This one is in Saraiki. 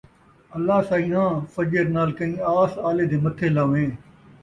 اللہ سئیں آں! فجر نال کئیں آس آلے دے متھے لان٘ویں